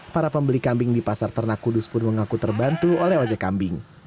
para pembeli kambing di pasar ternak kudus pun mengaku terbantu oleh ojek kambing